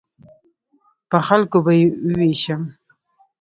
په خلکو به یې ووېشم.